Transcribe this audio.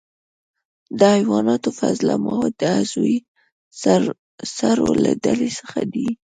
د حیواناتو فضله مواد د عضوي سرو له ډلې څخه دي.